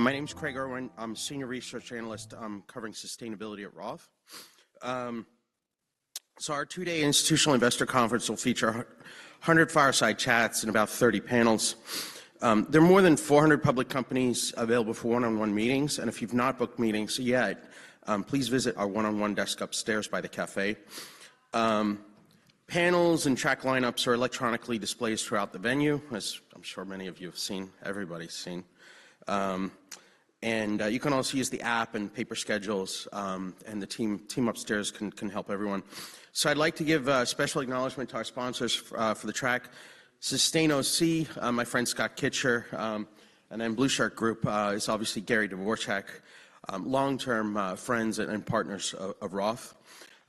My name is Craig Irwin. I'm a senior research analyst, covering sustainability at Roth. So our two-day institutional investor conference will feature 100 fireside chats and about 30 panels. There are more than 400 public companies available for one-on-one meetings, and if you've not booked meetings yet, please visit our one-on-one desk upstairs by the café. Panels and track lineups are electronically displayed throughout the venue, as I'm sure many of you have seen, everybody's seen. And you can also use the app and paper schedules, and the team upstairs can help everyone. So I'd like to give a special acknowledgment to our sponsors for the track. SustainOC, my friend Scott Kitcher, and then Blueshirt Group is obviously Gary Dworchak, long-term friends and partners of Roth.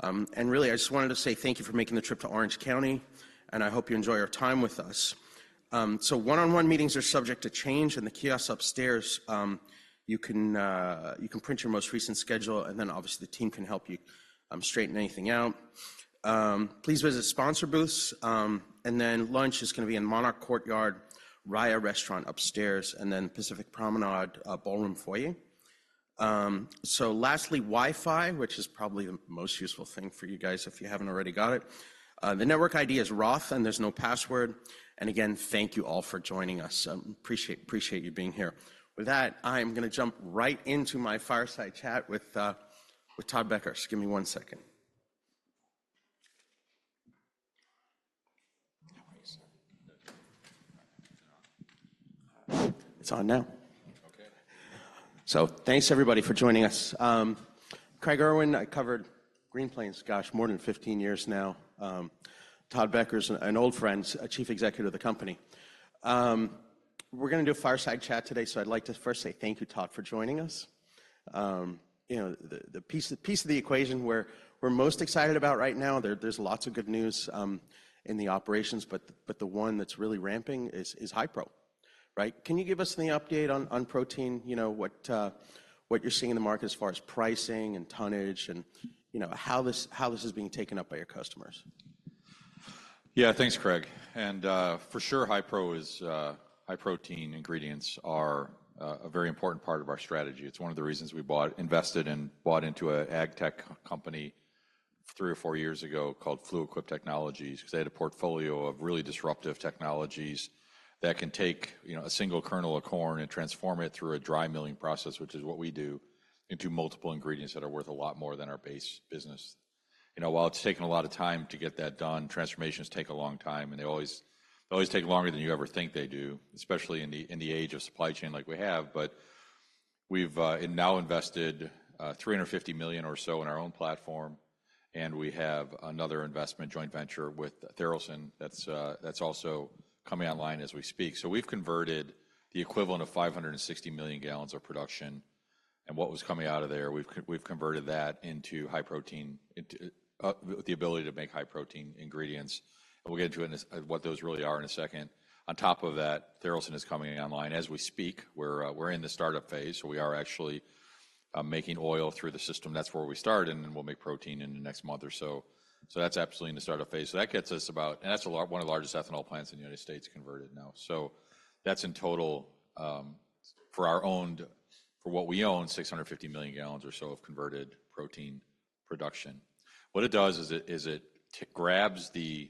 And really, I just wanted to say thank you for making the trip to Orange County, and I hope you enjoy your time with us. So one-on-one meetings are subject to change. In the kiosk upstairs, you can print your most recent schedule, and then obviously, the team can help you straighten anything out. Please visit sponsor booths, and then lunch is going to be in Monarch Courtyard, Raya Restaurant upstairs, and then Pacific Promenade Ballroom Foyer. So lastly, Wi-Fi, which is probably the most useful thing for you guys if you haven't already got it. The network ID is Roth, and there's no password. And again, thank you all for joining us. Appreciate you being here. With that, I am going to jump right into my fireside chat with Todd Becker. Just give me one second. How are you, sir? Good. It's on now. Okay. So thanks, everybody, for joining us. Craig Irwin, I covered Green Plains, gosh, more than 15 years now. Todd Becker's an old friend, Chief Executive of the company. We're going to do a fireside chat today, so I'd like to first say thank you, Todd, for joining us. You know, the piece of the equation where we're most excited about right now, there's lots of good news in the operations, but the one that's really ramping is Hipro, right? Can you give us any update on protein? You know, what you're seeing in the market as far as pricing and tonnage and, you know, how this is being taken up by your customers. Yeah, thanks, Craig. And, for sure, Hipro is... High protein ingredients are, a very important part of our strategy. It's one of the reasons we bought, invested, and bought into an agtech company three or four years ago called Fluid Quip Technologies, 'cause they had a portfolio of really disruptive technologies that can take, you know, a single kernel of corn and transform it through a dry milling process, which is what we do, into multiple ingredients that are worth a lot more than our base business. You know, while it's taken a lot of time to get that done, transformations take a long time, and they always, they always take longer than you ever think they do, especially in the age of supply chain like we have. But we've now invested $350 million or so in our own platform, and we have another investment joint venture with Tharaldson that's also coming online as we speak. So we've converted the equivalent of 560 million gallons of production. And what was coming out of there, we've converted that into high protein, into the ability to make high-protein ingredients. And we'll get into in a second what those really are. On top of that, Tharaldson is coming online. As we speak, we're in the startup phase, so we are actually making oil through the system. That's where we start, and then we'll make protein in the next month or so. So that's absolutely in the startup phase. So that gets us about... That's a large, one of the largest ethanol plants in the United States converted now. So that's in total, for our owned, for what we own, 650 million gallons or so of converted protein production. What it does is it grabs the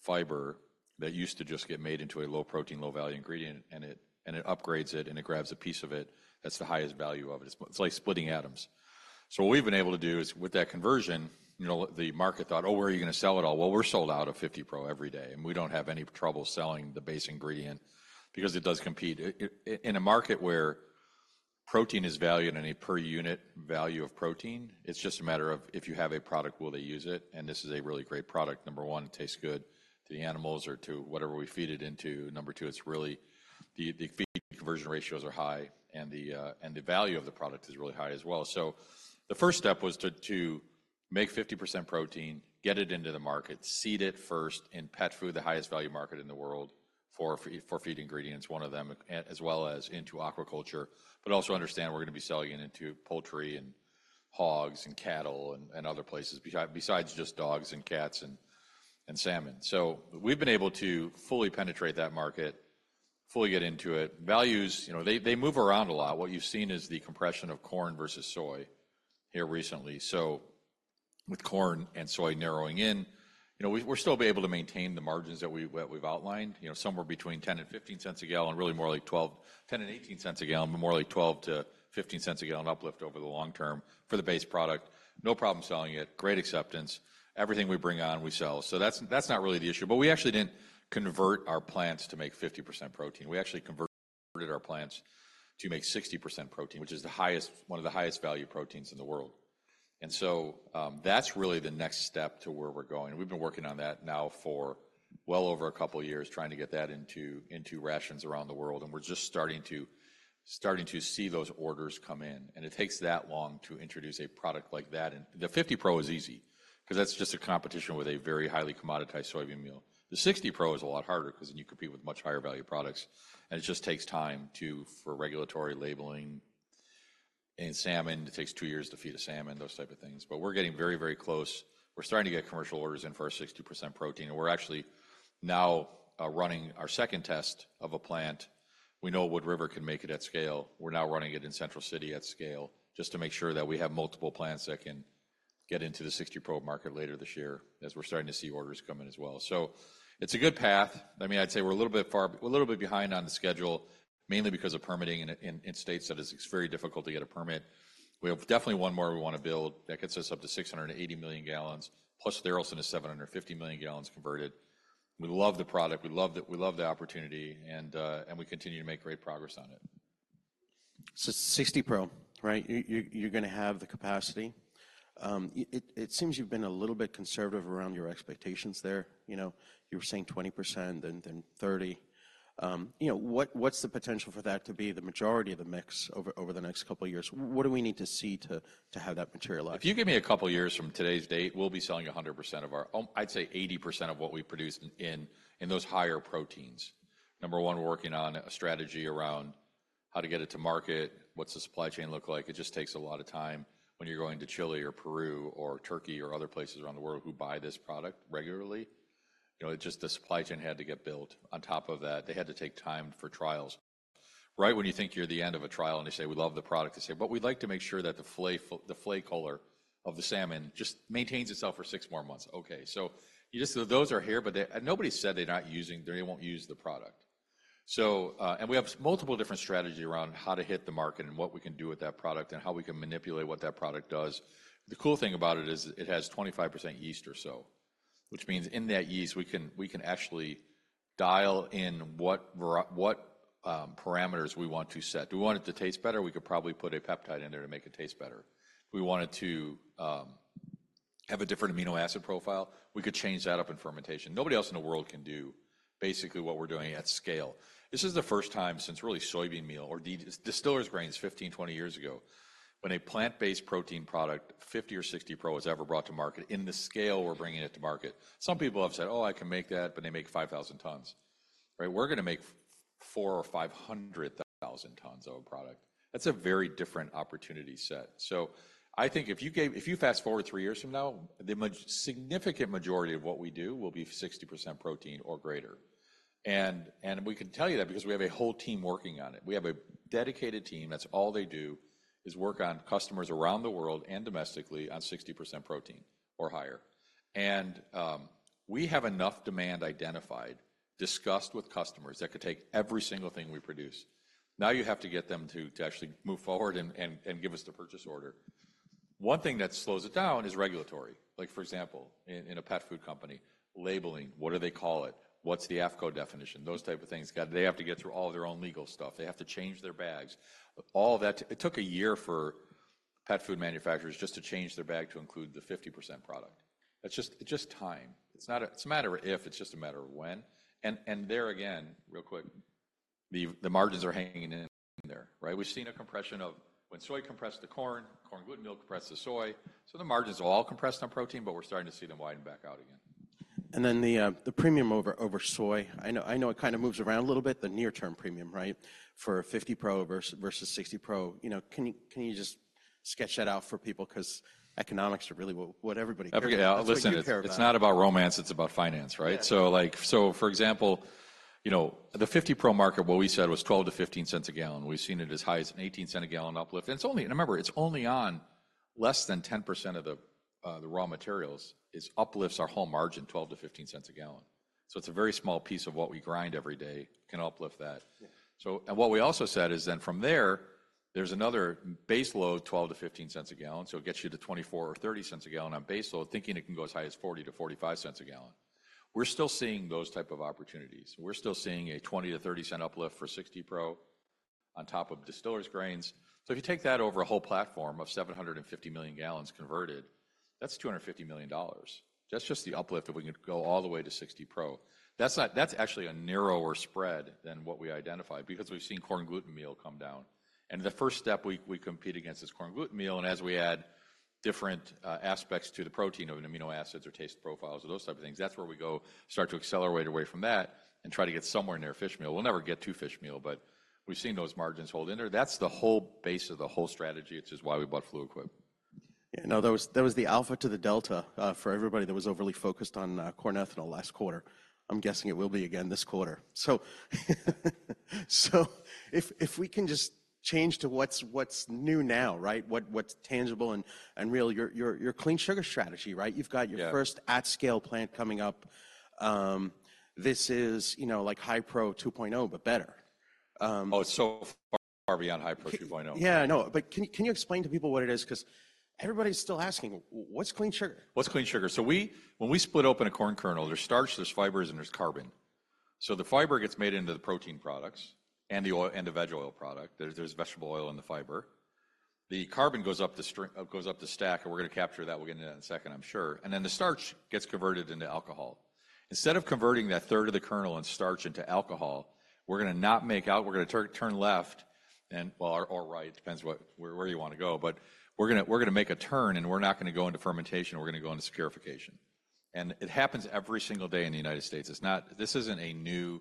fiber that used to just get made into a low-protein, low-value ingredient, and it upgrades it, and it grabs a piece of it that's the highest value of it. It's like splitting atoms. So what we've been able to do is, with that conversion, you know, the market thought, "Oh, where are you going to sell it all?" Well, we're sold out of 50 Pro every day, and we don't have any trouble selling the base ingredient because it does compete. In a market where protein is valued in a per unit value of protein, it's just a matter of, if you have a product, will they use it? And this is a really great product. Number one, it tastes good to the animals or to whatever we feed it into. Number two, it's really... The, the feed conversion ratios are high, and the and the value of the product is really high as well. So the first step was to make 50% protein, get it into the market, seed it first in pet food, the highest value market in the world for feed, for feed ingredients, one of them, as well as into aquaculture. But also understand we're going to be selling it into poultry and hogs and cattle and other places, besides just dogs and cats and salmon. So we've been able to fully penetrate that market, fully get into it. Values, you know, they, they move around a lot. What you've seen is the compression of corn versus soy here recently. So with corn and soy narrowing in, you know, we, we're still be able to maintain the margins that we, that we've outlined, you know, somewhere between $0.10 and $0.15 a gallon, really more like 12-10 and $0.18 a gallon, but more like $0.12 to $0.15 a gallon uplift over the long term for the base product. No problem selling it, great acceptance. Everything we bring on, we sell. So that's, that's not really the issue. But we actually didn't convert our plants to make 50% protein. We actually converted our plants to make 60% protein, which is the highest- one of the highest value proteins in the world. That's really the next step to where we're going. We've been working on that now for well over a couple of years, trying to get that into rations around the world, and we're just starting to see those orders come in. It takes that long to introduce a product like that. The 50 Pro is easy because that's just a competition with a very highly commoditized soybean meal. The 60 Pro is a lot harder because then you compete with much higher value products, and it just takes time for regulatory labeling in salmon; it takes two years to feed a salmon, those type of things. But we're getting very, very close. We're starting to get commercial orders in for our 60% protein, and we're actually now running our second test of a plant. We know Wood River can make it at scale. We're now running it in Central City at scale, just to make sure that we have multiple plants that can get into the 60 Pro market later this year, as we're starting to see orders come in as well. So it's a good path. I mean, I'd say we're a little bit far, a little bit behind on the schedule, mainly because of permitting in states that is. It's very difficult to get a permit. We have definitely one more we want to build. That gets us up to 680 million gallons, plus Tharaldson is 750 million gallons converted. We love the product, we love the opportunity, and we continue to make great progress on it. So 60 Pro, right? You, you, you're going to have the capacity. It seems you've been a little bit conservative around your expectations there. You know, you were saying 20% and then 30%. You know, what's the potential for that to be the majority of the mix over the next couple of years? What do we need to see to have that materialize? If you give me a couple of years from today's date, we'll be selling 100% of our-- I'd say 80% of what we produce in, in those higher proteins. Number one, we're working on a strategy around how to get it to market. What's the supply chain look like? It just takes a lot of time when you're going to Chile or Peru or Turkey or other places around the world who buy this product regularly. You know, it just, the supply chain had to get built. On top of that, they had to take time for trials. Right when you think you're at the end of a trial, and they say, "We love the product," they say, "But we'd like to make sure that the flake color of the salmon just maintains itself for six more months." Okay, so you just... So those are here, but they, nobody said they're not using, they won't use the product. So, and we have multiple different strategies around how to hit the market and what we can do with that product, and how we can manipulate what that product does. The cool thing about it is it has 25% yeast or so, which means in that yeast, we can, we can actually dial in what parameters we want to set. Do we want it to taste better? We could probably put a peptide in there to make it taste better. If we want it to have a different amino acid profile, we could change that up in fermentation. Nobody else in the world can do basically what we're doing at scale. This is the first time since, really, soybean meal or distiller's grains, 15-20 years ago, when a plant-based protein product, fifty Pro or sixty Pro, was ever brought to market in the scale we're bringing it to market. Some people have said, "Oh, I can make that," but they make 5,000 tons, right? We're going to make 400,000 or 500,000 tons of a product. That's a very different opportunity set. So I think if you fast forward 3 years from now, the significant majority of what we do will be 60% protein or greater. And we can tell you that because we have a whole team working on it. We have a dedicated team. That's all they do, is work on customers around the world and domestically on 60% protein or higher. We have enough demand identified, discussed with customers, that could take every single thing we produce. Now, you have to get them to actually move forward and give us the purchase order. One thing that slows it down is regulatory. Like, for example, in a pet food company, labeling, what do they call it? What's the AAFCO definition? Those type of things. Got to. They have to get through all of their own legal stuff. They have to change their bags. All that, it took a year for pet food manufacturers just to change their bag to include the 50% product. That's just time. It's not a, it's a matter of if, it's just a matter of when. And there again, real quick, the margins are hanging in there, right? We've seen a compression of when soy compressed to corn, corn gluten meal compressed to soy. So the margins are all compressed on protein, but we're starting to see them widen back out again. Then the premium over soy, I know, I know it kind of moves around a little bit, the near-term premium, right? For 50 Pro versus 60 Pro. You know, can you, can you just sketch that out for people? Because economics are really what, what everybody cares about. Okay, yeah. Listen- You care about.... it's not about romance, it's about finance, right? Yeah. So, like, so for example, you know, the 50 Pro market, what we said was $0.12-$0.15 a gallon. We've seen it as high as an $0.18 a gallon uplift, and it's only. And remember, it's only on less than 10% of the raw materials. It uplifts our whole margin $0.12-$0.15 a gallon. So it's a very small piece of what we grind every day can uplift that. Yeah. So, and what we also said is then from there, there's another base load, 12-15 cents/gallon, so it gets you to 24 or 30 cents/gallon on base load, thinking it can go as high as 40-45 cents/gallon. We're still seeing those type of opportunities. We're still seeing a 20-30 cent uplift for 60 Pro on top of distiller's grains. So if you take that over a whole platform of 750 million gallons converted, that's $250 million. That's just the uplift, if we can go all the way to 60 Pro. That's not-- That's actually a narrower spread than what we identified, because we've seen corn gluten meal come down. And the first step we compete against is corn gluten meal, and as we add different aspects to the protein of an amino acids or taste profiles or those type of things, that's where we go start to accelerate away from that and try to get somewhere near fish meal. We'll never get to fish meal, but we've seen those margins hold in there. That's the whole base of the whole strategy, which is why we bought Fluid Quip. You know, that was, that was the alpha to the delta, for everybody that was overly focused on, corn ethanol last quarter. I'm guessing it will be again this quarter. So, so if, if we can just change to what's, what's new now, right? What, what's tangible and, and real, your, your, your clean sugar strategy, right? Yeah. You've got your first at-scale plant coming up. This is, you know, like HiPro 2.0, but better. Oh, it's so far beyond Hipro 2.0. Yeah, I know, but can you, can you explain to people what it is? Because everybody's still asking, "What's clean sugar? What's clean sugar? So we, when we split open a corn kernel, there's starch, there's fibers, and there's carbon. So the fiber gets made into the protein products and the oil, and the veg oil product. There's, there's vegetable oil in the fiber. The carbon goes up the stack, and we're going to capture that. We'll get into that in a second, I'm sure. And then the starch gets converted into alcohol. Instead of converting that third of the kernel and starch into alcohol, we're going to not make al-- we're going to turn left and... Well, or right, it depends what, where you want to go, but we're going to make a turn, and we're not going to go into fermentation. We're going to go into purification. And it happens every single day in the United States. It's not a newly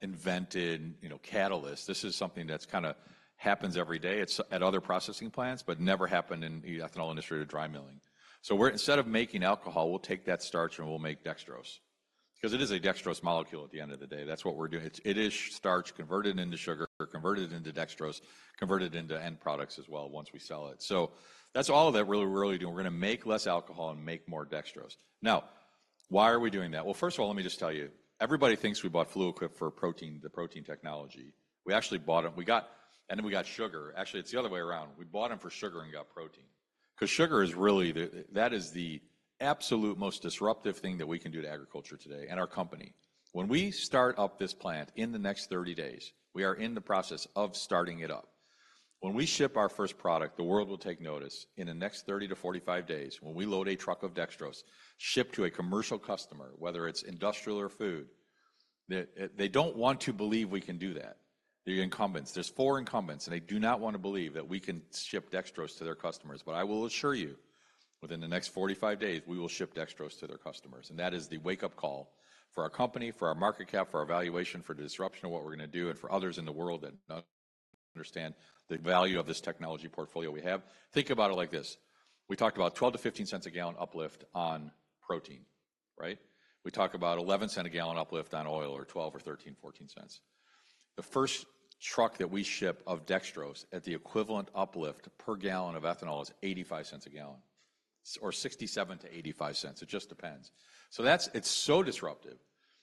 invented, you know, catalyst. This is something that's kind of happens every day at other processing plants, but never happened in the ethanol industry or dry milling. So we're, instead of making alcohol, we'll take that starch, and we'll make dextrose. Because it is a dextrose molecule at the end of the day. That's what we're doing. It's, it is starch converted into sugar, converted into dextrose, converted into end products as well once we sell it. So that's all that really we're really doing. We're going to make less alcohol and make more dextrose. Now, why are we doing that? Well, first of all, let me just tell you, everybody thinks we bought Fluid Quip for protein, the protein technology. We actually bought them. We got... And then we got sugar. Actually, it's the other way around. We bought them for sugar and got protein. 'Cause sugar is really the, that is the absolute most disruptive thing that we can do to agriculture today and our company. When we start up this plant in the next 30 days, we are in the process of starting it up. When we ship our first product, the world will take notice. In the next 30-45 days, when we load a truck of dextrose, shipped to a commercial customer, whether it's industrial or food, the, they don't want to believe we can do that. The incumbents, there's four incumbents, and they do not want to believe that we can ship dextrose to their customers. But I will assure you, within the next 45 days, we will ship dextrose to their customers, and that is the wake-up call for our company, for our market cap, for our valuation, for the disruption of what we're going to do, and for others in the world that do not understand the value of this technology portfolio we have. Think about it like this: We talked about $0.12-$0.15/gallon uplift on protein, right? We talk about $0.11/gallon uplift on oil, or $0.12, $0.13, $0.14. The first truck that we ship of dextrose at the equivalent uplift per gallon of ethanol is $0.85/gallon, or $0.67-$0.85. It just depends. So that's, it's so disruptive.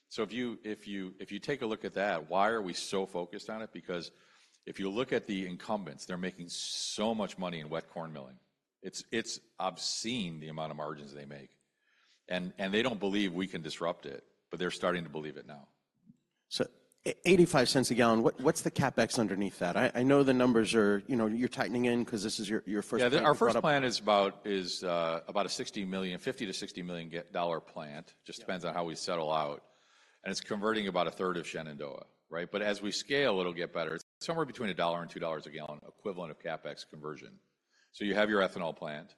So if you, if you, if you take a look at that, why are we so focused on it? Because if you look at the incumbents, they're making so much money in wet corn milling. It's, it's obscene the amount of margins they make. And, and they don't believe we can disrupt it, but they're starting to believe it now. So, $0.85 a gallon, what's the CapEx underneath that? I know the numbers are... You know, you're tightening in because this is your first- Yeah, our first plan is about a $50-$60 million dollar plant. Yeah. Just depends on how we settle out, and it's converting about a third of Shenandoah, right? But as we scale, it'll get better. It's somewhere between $1-$2 a gallon, equivalent of CapEx conversion. So you have your ethanol plant,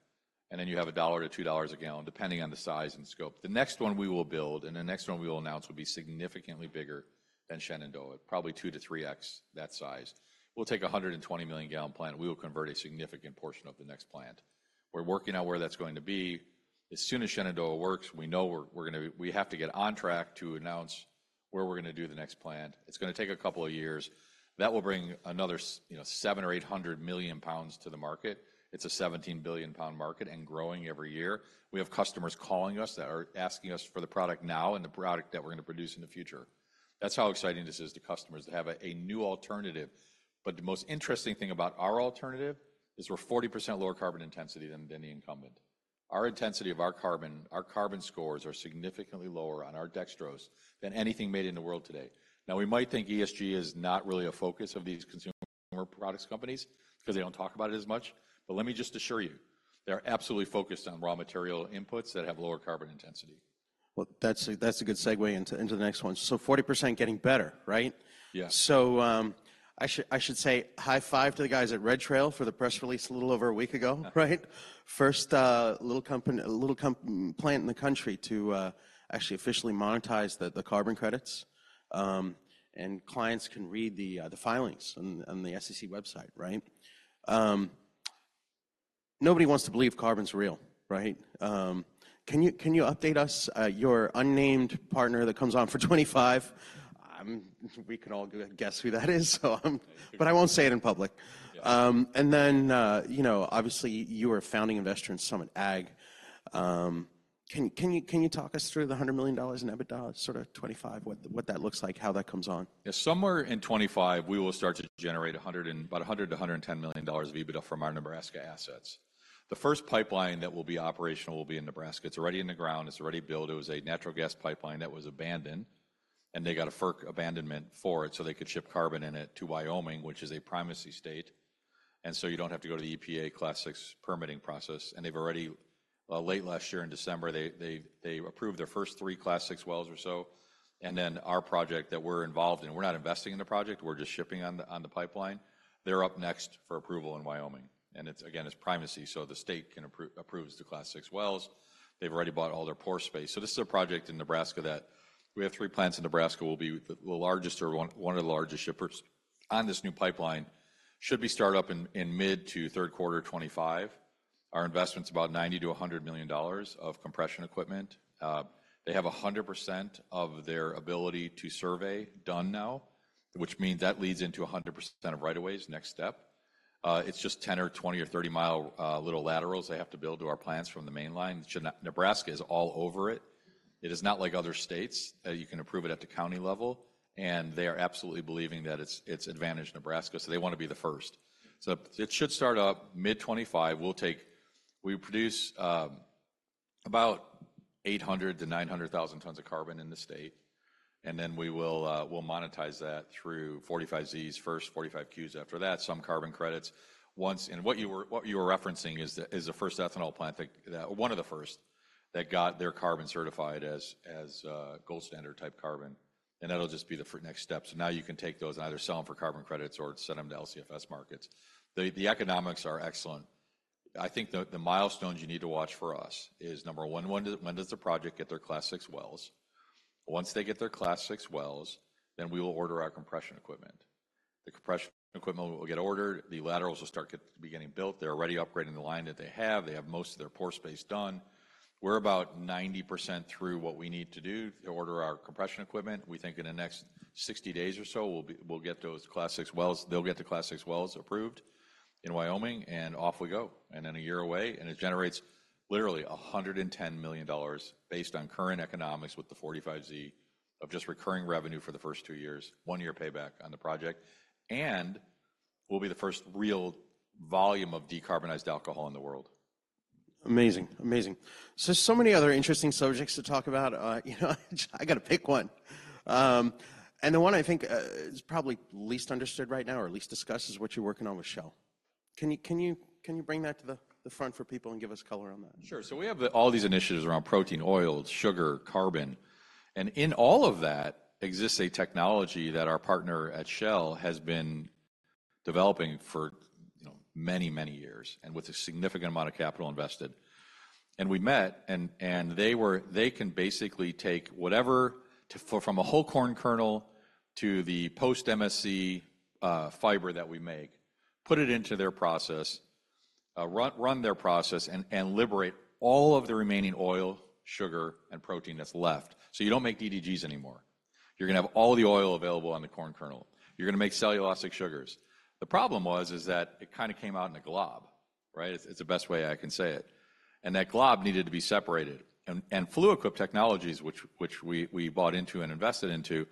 and then you have $1-$2 a gallon, depending on the size and scope. The next one we will build, and the next one we will announce, will be significantly bigger than Shenandoah, probably 2x-3x that size. We'll take a 120 million gallon plant, and we will convert a significant portion of the next plant. We're working out where that's going to be. As soon as Shenandoah works, we know we're, we're going to-- we have to get on track to announce where we're going to do the next plant. It's going to take a couple of years. That will bring another, you know, 700 or 800 million pounds to the market. It's a 17 billion pound market and growing every year. We have customers calling us that are asking us for the product now and the product that we're going to produce in the future. That's how exciting this is to customers to have a, a new alternative. But the most interesting thing about our alternative is we're 40% lower carbon intensity than, than the incumbent. Our intensity of our carbon, our carbon scores are significantly lower on our dextrose than anything made in the world today. Now, we might think ESG is not really a focus of these consumer products companies because they don't talk about it as much. But let me just assure you, they are absolutely focused on raw material inputs that have lower carbon intensity. Well, that's a good segue into the next one. So 40% getting better, right? Yeah. So, I should say high five to the guys at Red Trail for the press release a little over a week ago, right? First little company, little plant in the country to actually officially monetize the carbon credits. And clients can read the filings on the SEC website, right? Nobody wants to believe carbon's real, right? Can you update us, your unnamed partner that comes on for 25? We can all go and guess who that is, so. Yeah. But I won't say it in public. Yeah. And then, you know, obviously, you are a founding investor in Summit Ag. Can you talk us through the $100 million in EBITDA, sort of 25, what that looks like, how that comes on? Yeah, somewhere in 2025, we will start to generate $100 million-$110 million of EBITDA from our Nebraska assets. The first pipeline that will be operational will be in Nebraska. It's already in the ground. It's already built. It was a natural gas pipeline that was abandoned, and they got a FERC abandonment for it, so they could ship carbon in it to Wyoming, which is a primacy state. And so you don't have to go to the EPA Class VI permitting process, and they've already late last year in December, they approved their first three Class VI wells or so, and then our project that we're involved in, we're not investing in the project, we're just shipping on the pipeline. They're up next for approval in Wyoming, and it's, again, it's primacy, so the state can approve, approves the Class VI wells. They've already bought all their pore space. So this is a project in Nebraska that we have three plants in Nebraska. We'll be the largest or one of the largest shippers on this new pipeline. Should be start up in mid- to third-quarter 2025. Our investment's about $90 million-$100 million of compression equipment. They have 100% of their ability to survey done now, which means that leads into 100% of right of ways, next step. It's just 10-, 20-, or 30-mile little laterals they have to build to our plants from the mainline. Should not—Nebraska is all over it. It is not like other states, you can approve it at the county level, and they are absolutely believing that it's advantage Nebraska, so they want to be the first. So it should start up mid-2025. We produce about 800,000-900,000 tons of carbon in the state, and then we'll monetize that through 45Zs, first 45Qs after that, some carbon credits. Once... And what you were referencing is the first ethanol plant that one of the first, that got their carbon certified as gold standard type carbon, and that'll just be the next step. So now you can take those and either sell them for carbon credits or send them to LCFS markets. The economics are excellent. I think the milestones you need to watch for us is number one, when does the project get their Class VI Wells? Once they get their Class VI Wells, then we will order our compression equipment. The compression equipment will get ordered, the laterals will start getting built. They're already upgrading the line that they have. They have most of their pore space done. We're about 90% through what we need to do to order our compression equipment. We think in the next 60 days or so, we'll get those Class VI Wells. They'll get the Class VI Wells approved in Wyoming, and off we go. Then a year away, and it generates literally $110 million based on current economics with the 45Z of just recurring revenue for the first two years, one-year payback on the project, and we'll be the first real volume of decarbonized alcohol in the world. Amazing. Amazing. So, so many other interesting subjects to talk about. You know, I gotta pick one. And the one I think is probably least understood right now or at least discussed is what you're working on with Shell. Can you bring that to the front for people and give us color on that? Sure. So we have all these initiatives around protein, oil, sugar, carbon, and in all of that exists a technology that our partner at Shell has been developing for, you know, many, many years, and with a significant amount of capital invested. And we met, and they can basically take whatever, to, from a whole corn kernel to the post-MSC fiber that we make, put it into their process, run their process, and liberate all of the remaining oil, sugar, and protein that's left. So you don't make DDGs anymore. You're gonna have all the oil available on the corn kernel. You're gonna make cellulosic sugars. The problem was, is that it kinda came out in a glob, right? It's the best way I can say it. That glob needed to be separated, and Fluid Quip Technologies, which we bought into and invested into,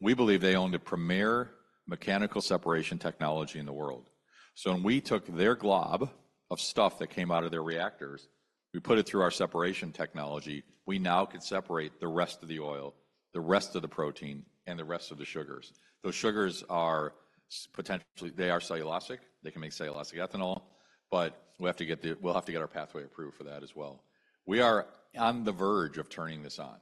we believe they owned a premier mechanical separation technology in the world. So when we took their glob of stuff that came out of their reactors, we put it through our separation technology, we now could separate the rest of the oil, the rest of the protein, and the rest of the sugars. Those sugars are potentially... They are cellulosic. They can make cellulosic ethanol, but we have to get our pathway approved for that as well. We are on the verge of turning this on.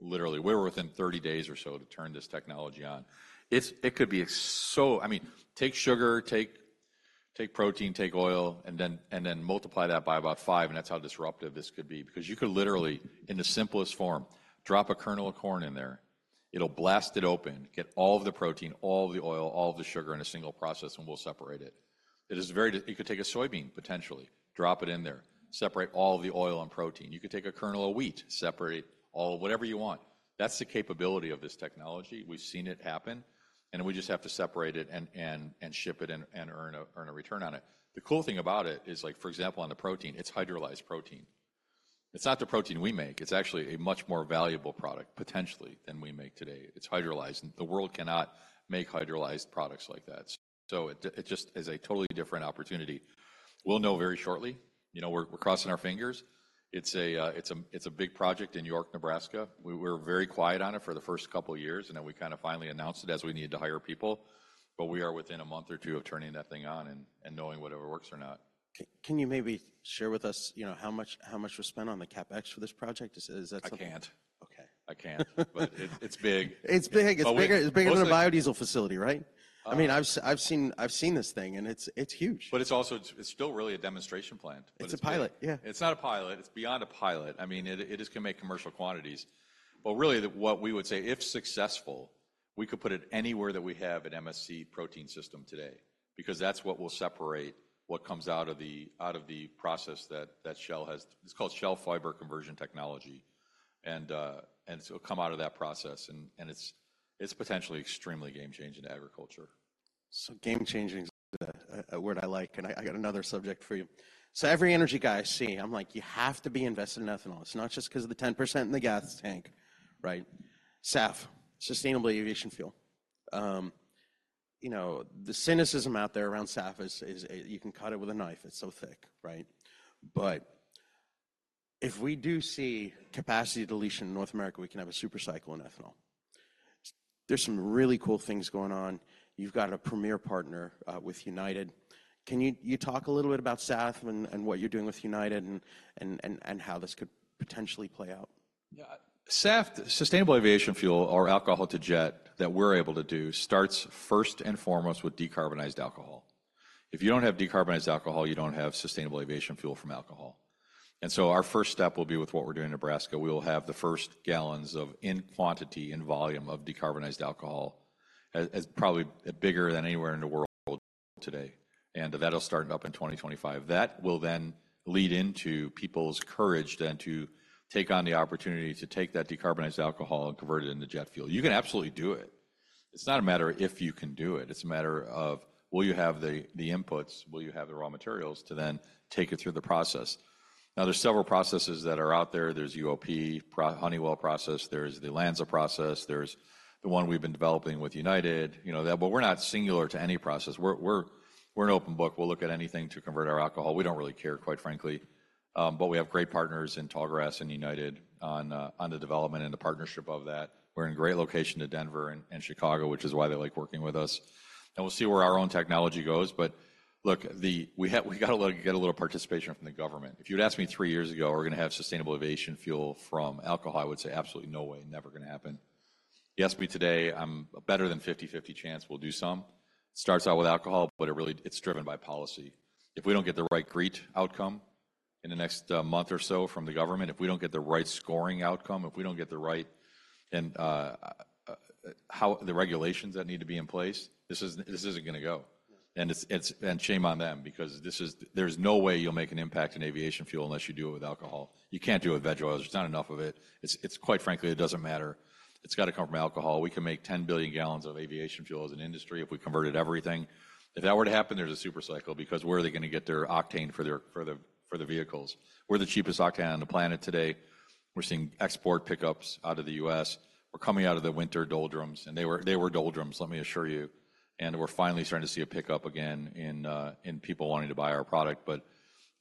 Literally, we're within 30 days or so to turn this technology on. It could be so—I mean, take sugar, take protein, take oil, and then multiply that by about five, and that's how disruptive this could be, because you could literally, in the simplest form, drop a kernel of corn in there. It'll blast it open, get all of the protein, all of the oil, all of the sugar in a single process, and we'll separate it. It is very—You could take a soybean, potentially, drop it in there, separate all the oil and protein. You could take a kernel of wheat, separate all whatever you want. That's the capability of this technology. We've seen it happen, and we just have to separate it and ship it, and earn a return on it. The cool thing about it is, like, for example, on the protein, it's hydrolyzed protein. It's not the protein we make. It's actually a much more valuable product, potentially, than we make today. It's hydrolyzed, and the world cannot make hydrolyzed products like that. So it just is a totally different opportunity. We'll know very shortly. You know, we're crossing our fingers. It's a big project in York, Nebraska. We were very quiet on it for the first couple of years, and then we kinda finally announced it as we needed to hire people. But we are within a month or two of turning that thing on and knowing whether it works or not. Can you maybe share with us, you know, how much was spent on the CapEx for this project? Is that- I can't. Okay. I can't, but it's, it's big. It's big. But we- It's bigger, it's bigger than a biodiesel facility, right? Um- I mean, I've seen this thing, and it's huge. But it's also, it's still really a demonstration plant. But it's- It's a pilot, yeah. It's not a pilot. It's beyond a pilot. I mean, it is gonna make commercial quantities. But really, what we would say, if successful, we could put it anywhere that we have an MSC protein system today, because that's what will separate what comes out of the process that Shell has. It's called Shell Fiber Conversion Technology. And so it'll come out of that process, and it's potentially extremely game-changing to agriculture. So game-changing is a word I like, and I got another subject for you. So every energy guy I see, I'm like: "You have to be invested in ethanol. It's not just 'cause of the 10% in the gas tank," right? SAF, sustainable aviation fuel. You know, the cynicism out there around SAF is, you can cut it with a knife. It's so thick, right? But if we do see capacity deletion in North America, we can have a super cycle in ethanol. There's some really cool things going on. You've got a premier partner with United. Can you talk a little bit about SAF and how this could potentially play out? Yeah. SAF, sustainable aviation fuel, or alcohol to jet, that we're able to do starts first and foremost with decarbonized alcohol. If you don't have decarbonized alcohol, you don't have sustainable aviation fuel from alcohol. And so our first step will be with what we're doing in Nebraska. We'll have the first gallons of, in quantity, in volume of decarbonized alcohol, as probably bigger than anywhere in the world today, and that'll start up in 2025. That will then lead into people's courage then to take on the opportunity to take that decarbonized alcohol and convert it into jet fuel. You can absolutely do it. It's not a matter if you can do it, it's a matter of will you have the inputs, will you have the raw materials to then take it through the process? Now, there's several processes that are out there. There's UOP process, Honeywell process, there's the Lanza process, there's the one we've been developing with United. You know, that—but we're not singular to any process. We're, we're, we're an open book. We'll look at anything to convert our alcohol. We don't really care, quite frankly. But we have great partners in Tallgrass and United on, on the development and the partnership of that. We're in great location to Denver and, and Chicago, which is why they like working with us, and we'll see where our own technology goes, but look, the... We have—we gotta get a little participation from the government. If you'd asked me three years ago, are we gonna have sustainable aviation fuel from alcohol? I would say absolutely no way, never gonna happen.... Yes, we today, a better than 50/50 chance we'll do some. Starts out with alcohol, but it really, it's driven by policy. If we don't get the right GREET outcome in the next month or so from the government, if we don't get the right scoring outcome, if we don't get the right, and how the regulations that need to be in place, this is, this isn't gonna go. Yes. It's and shame on them because this is. There's no way you'll make an impact in aviation fuel unless you do it with alcohol. You can't do it with veg oils. There's not enough of it. It's quite frankly, it doesn't matter. It's gotta come from alcohol. We can make 10 billion gallons of aviation fuel as an industry if we converted everything. If that were to happen, there's a super cycle, because where are they gonna get their octane for their vehicles? We're the cheapest octane on the planet today. We're seeing export pickups out of the U.S. We're coming out of the winter doldrums, and they were doldrums, let me assure you, and we're finally starting to see a pickup again in people wanting to buy our product.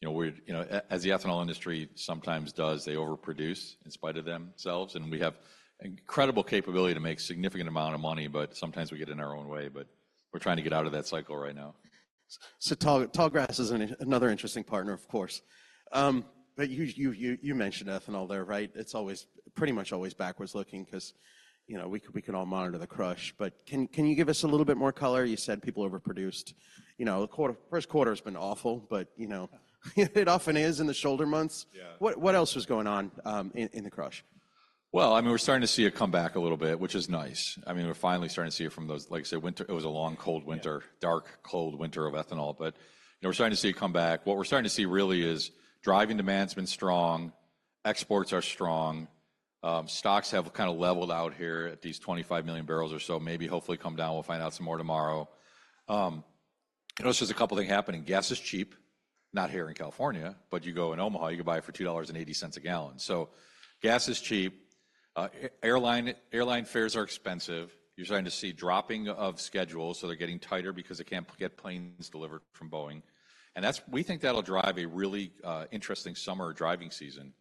You know, we're, you know, as the ethanol industry sometimes does, they overproduce in spite of themselves, and we have incredible capability to make significant amount of money, but sometimes we get in our own way, but we're trying to get out of that cycle right now. So, Tallgrass is another interesting partner, of course. But you mentioned ethanol there, right? It's always pretty much always backwards looking 'cause, you know, we could all monitor the crush. But can you give us a little bit more color? You said people overproduced. You know, the first quarter's been awful, but, you know, it often is in the shoulder months. Yeah. What, what else was going on, in the crush? Well, I mean, we're starting to see it come back a little bit, which is nice. I mean, we're finally starting to see it from those, like I said, winter, it was a long, cold winter. Yeah. Dark, cold winter of ethanol, but, you know, we're starting to see it come back. What we're starting to see really is driving demand's been strong, exports are strong, stocks have kind of leveled out here at these 25 million barrels or so, maybe hopefully come down. We'll find out some more tomorrow. You know, there's just a couple of things happening. Gas is cheap, not here in California, but you go in Omaha, you can buy it for $2.80 a gallon. So gas is cheap. Airline, airline fares are expensive. You're starting to see dropping of schedules, so they're getting tighter because they can't get planes delivered from Boeing. And that's—we think that'll drive a really interesting summer driving season.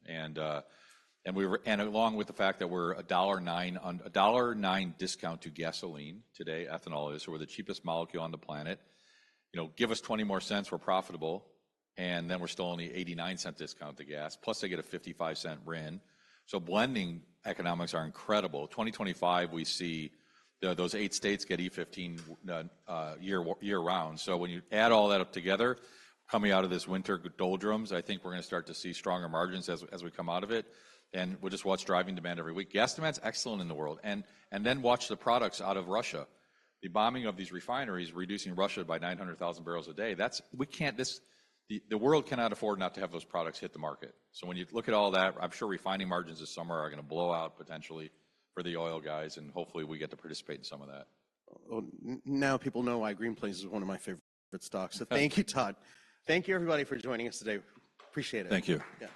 And along with the fact that we're a $1.09 discount to gasoline today, ethanol is. We're the cheapest molecule on the planet. You know, give us 20 more cents, we're profitable, and then we're still only $0.89 discount to gas, plus they get a $0.55 RIN. So blending economics are incredible. 2025, we see those eight states get E15 year-round. So when you add all that up together, coming out of this winter doldrums, I think we're gonna start to see stronger margins as we come out of it, and we'll just watch driving demand every week. Gas demand's excellent in the world, and then watch the products out of Russia. The bombing of these refineries, reducing Russia by 900,000 barrels a day, that's... We can't. The world cannot afford not to have those products hit the market. So when you look at all that, I'm sure refining margins this summer are gonna blow out potentially for the oil guys, and hopefully we get to participate in some of that. Well, now people know why Green Plains is one of my favorite stocks. So thank you, Todd. Thank you, everybody, for joining us today. Appreciate it. Thank you. Yeah.